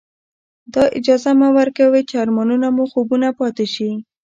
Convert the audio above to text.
دا اجازه مه ورکوئ چې ارمانونه مو خوبونه پاتې شي.